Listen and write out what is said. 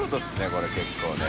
これ結構ね。